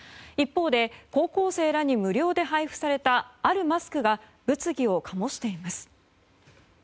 一方で高校生らに無料で配布されたあるマスクが物議を醸しています。